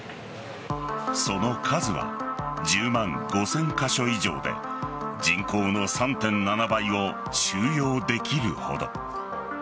その数は１０万５０００カ所以上で人口の３．７倍を収容できるほど。